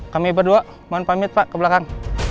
kami berdua mohon pamit pak ke belakang